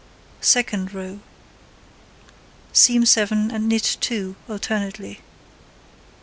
Second row: Seam 7, and knit 2 alternately.